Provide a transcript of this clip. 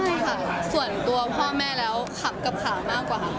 ใช่ค่ะส่วนตัวพ่อแม่แล้วขำกับขามากกว่าค่ะ